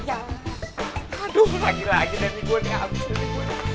aduh lagi lagi nenek gua nih abis abis gua nih